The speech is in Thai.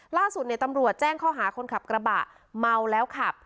ล่าสุดเนี่ยตำรวจแจ้งข้อหาคนขับกระบะเมาแล้วขับ